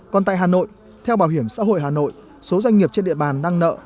còn tại hà nội theo bảo hiểm xã hội hà nội số doanh nghiệp trên địa bàn đang nợ